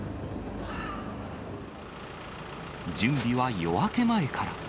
準備は夜明け前から。